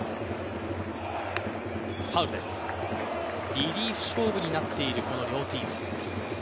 リリーフ勝負となっているこの両チーム。